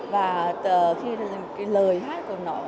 và khi lời hát của nó